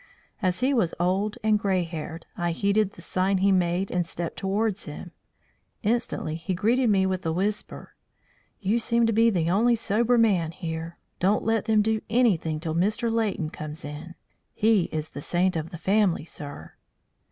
As he was old and grey haired, I heeded the sign he made and stepped towards him. Instantly he greeted me with the whisper: "You seem to be the only sober man here. Don't let them do anything till Mr. Leighton comes in. He is the saint of the family, sir."